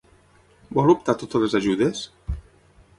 Vol optar a totes les ajudes?